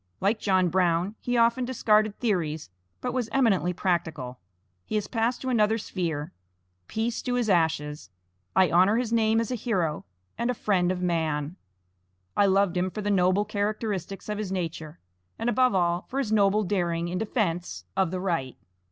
Like John Brown, he often discarded theories, but was eminently practical. He has passed to another sphere. Peace to his ashes! I honor his name as a hero, and friend of man. I loved him for the noble characteristics of his nature, and above all for his noble daring in defense of the right.